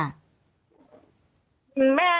ค่ะ